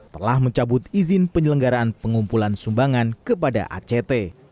telah mencabut izin penyelenggaraan pengumpulan sumbangan kepada act